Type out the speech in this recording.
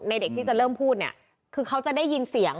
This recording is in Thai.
ในเด็กที่เราเริ่มพูดคือเขาจะได้ยินเสียง